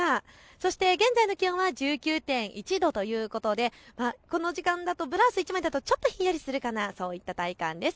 そして現在の気温は１９．１度ということでこの時間だとブラウス１枚だとちょっとひんやりするかなといった体感です。